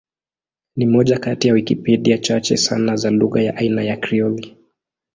Ni moja kati ya Wikipedia chache sana za lugha ya aina ya Krioli.